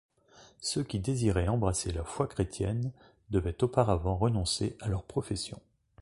Ceux qui désiraient embrasser la foi chrétienne devaient auparavant renoncer à leur profession.